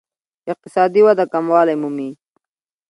اقتصادي وده کموالی مومي.